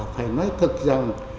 phải nói thật rằng